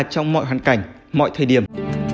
trong mọi hoàn cảnh mọi thời điểm